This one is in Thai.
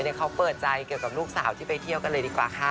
เดี๋ยวเขาเปิดใจเกี่ยวกับลูกสาวที่ไปเที่ยวกันเลยดีกว่าค่ะ